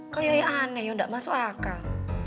kayaknya aneh nggak masuk akal